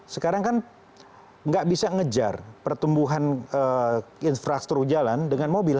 sekarang kan nggak bisa ngejar pertumbuhan infrastruktur jalan dengan mobil